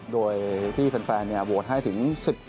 โดยที่แฟนโหวตให้ถึง๑๐